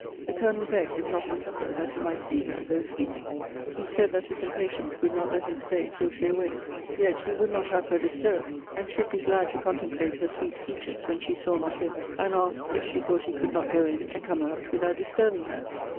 The Colonel begged, if not improper, that he might see her, though sleeping. He said, that his impatience would not let him stay till he awaked. Yet he would not have her disturbed; and should be glad to contemplate her sweet features, when she saw not him; and asked, if she thought he could not go in, and come out, without disturbing her?